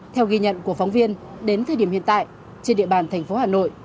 theo ghi nhận của phóng viên đến thời điểm hiện tại trên địa bàn thành phố hà nội